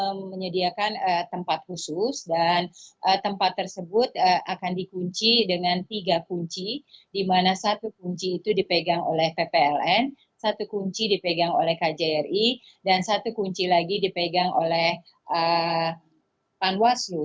kita menyediakan tempat khusus dan tempat tersebut akan dikunci dengan tiga kunci di mana satu kunci itu dipegang oleh ppln satu kunci dipegang oleh kjri dan satu kunci lagi dipegang oleh panwaslu